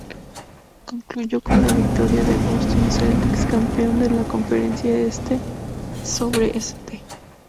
Concluyó con la victoria de Boston Celtics, campeón de la Conferencia Este, sobre St.